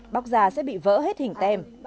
bóc giả sẽ bị vỡ hết hình tem